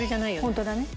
ホントだね。